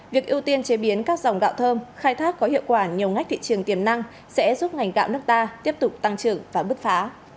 việc ưu tiên chế biến các dòng gạo thơm khai thác có hiệu quả nhiều ngách thị trường tiềm năng sẽ giúp ngành gạo nước ta tiếp tục tăng trưởng và bứt phá